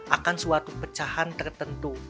akan suatu pecahan tertentu